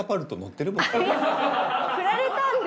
振られたんで。